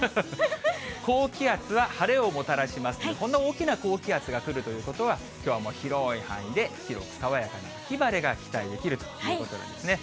高気圧は晴れをもたらしますので、こんな大きな高気圧が来るということは、きょうはもう広い範囲で広く爽やかな秋晴れが期待できるということですね。